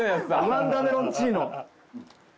ワンダメロンチーノ。